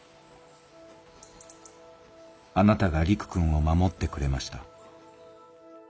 「あなたが陸君を守ってくれました」。